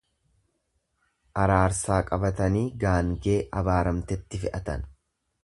Araarsaa qabatanii gaangee abaaramtetti fe'atan.